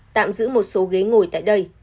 tạm giữ một số ghế ngồi tại đây